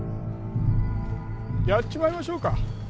やっちまいましょうか。